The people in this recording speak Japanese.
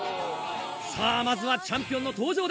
さぁまずはチャンピオンの登場です！